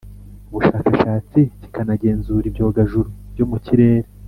ubushakashatsi kikanagenzura ibyogajuru byo mukirere